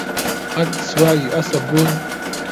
قەت سواری ئەسپ بوون؟